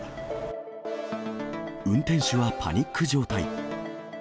運転手はパニック状態。